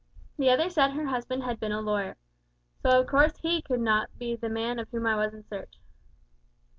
The other said her husband had been a lawyer, so of course he could not be the man of whom I was in search."